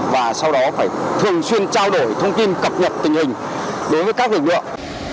và sau đó phải thường xuyên trao đổi thông tin cập nhật tình hình đối với các lực lượng